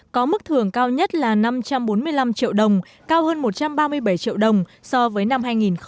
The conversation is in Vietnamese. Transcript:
có mức thưởng cao nhất là năm trăm bốn mươi năm triệu đồng cao hơn một trăm ba mươi bảy triệu đồng so với năm hai nghìn một mươi bảy